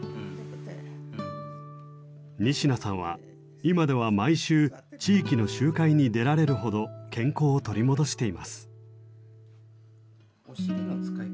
仁科さんは今では毎週地域の集会に出られるほど健康を取り戻しています。